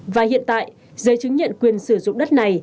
và hiện tại giấy chứng nhận quyền sử dụng đất này